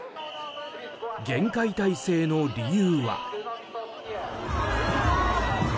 厳戒態勢の理由は。